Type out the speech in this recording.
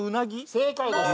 正解です！